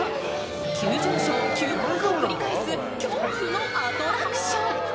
急上昇急降下を繰り返す恐怖のアトラクション。